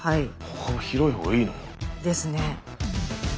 歩幅広い方がいいの？ですね。